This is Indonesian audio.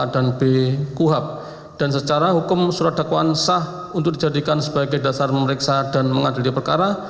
dan secara hukum surat dakwaan sah untuk dijadikan sebagai dasar memeriksa dan mengadili perkara